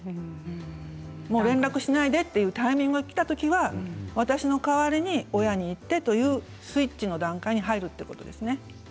もう連絡しないでというタイミングがきた時は私の代わりに親に言ってとスイッチの段階に入るわけです。